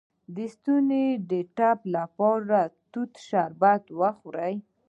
د ستوني د ټپ لپاره د توت شربت وکاروئ